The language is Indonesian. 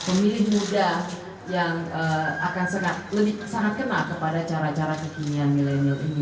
pemilih muda yang akan sangat kena kepada cara cara kekinian milenial ini